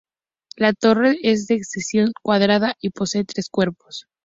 La torre es de sección cuadrada y posee tres cuerpos.